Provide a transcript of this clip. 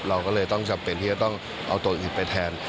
เราก็เลยต้องจำเป็นที่จะต้องเอาตัวอื่นไปแทน